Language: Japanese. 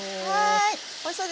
はい。